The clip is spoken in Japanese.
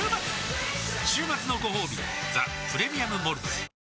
週末のごほうび「ザ・プレミアム・モルツ」